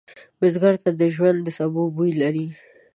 بزګر ته ژوند د سبو بوی لري